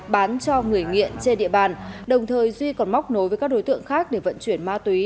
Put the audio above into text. bán cho người nghiện trên địa bàn đồng thời duy còn móc nối với các đối tượng khác để vận chuyển ma túy